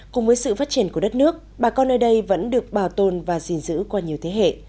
cùng với sự phát triển của đất nước bà con nơi đây vẫn được bảo tồn và gìn giữ qua nhiều thế hệ